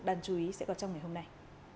đàn chú ý sẽ có trong ngày hôm nay